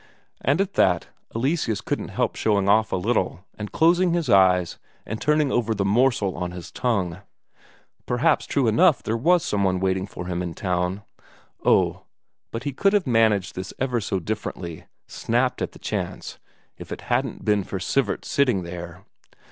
And at that, Eleseus couldn't help showing off a little and closing his eyes and turning over the morsel on his tongue: perhaps true enough there was some one waiting for him in town. Oh, but he could have managed this ever so differently, snapped at the chance, if it hadn't been for Sivert sitting there!